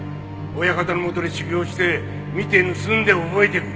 親方のもとで修業して見て盗んで覚えていく。